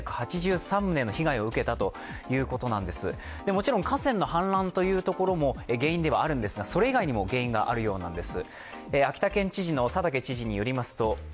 もちろん河川の氾濫というところも原因なんですが、それ以外にも原因があるようなんです。